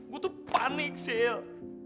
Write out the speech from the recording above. gue tuh panik sil